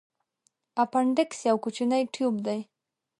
اپنډکس یو کوچنی تیوب دی.